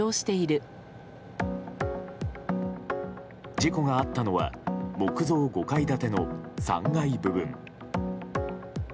事故があったのは木造５階建ての３階部分。